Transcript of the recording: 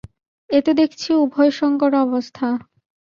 এ তো দেখছি উভয়সংকট অবস্থা।